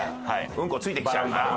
うんこついてきちゃうから。